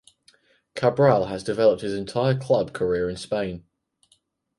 Cabral has developed his entire club career in Spain.